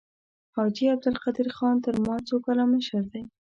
حاجي عبدالقدیر خان تر ما څو کاله مشر دی.